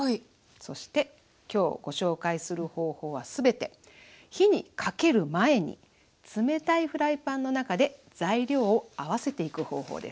そして今日ご紹介する方法は全て火にかける前に冷たいフライパンの中で材料を合わせていく方法です。